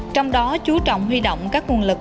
trong đó chú trọng huy động các nguồn lực